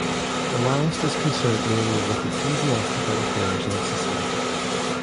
The last is concerned mainly with ecclesiastical affairs on Sicily.